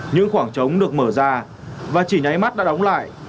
những khoảng trống được mở ra và chỉ nháy mắt đã đóng lại